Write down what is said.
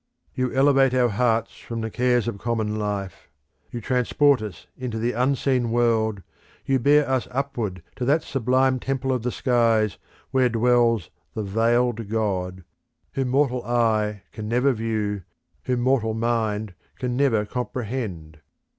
You elevate our hearts from the cares of common life, you transport us into the unseen world, you bear us upwards to that sublime temple of the skies where dwells the Veiled God, whom mortal eye can never view, whom mortal mind can never comprehend.